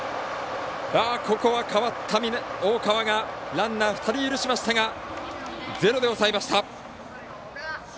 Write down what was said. ここは代わった大川がランナー、２人許しましたがゼロで抑えました。